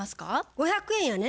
５００円やね。